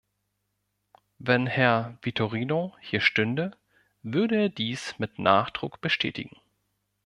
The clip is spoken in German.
Wenn Herr Vitorino hier stünde, würde er dies mit Nachdruck bestätigen.